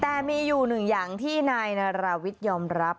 แต่มีอยู่หนึ่งอย่างที่นายนาราวิทยอมรับ